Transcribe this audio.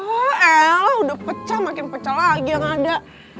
oh eh udah pecah makin pecah lagi yang ada